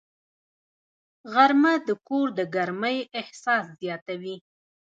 غرمه د کور د ګرمۍ احساس زیاتوي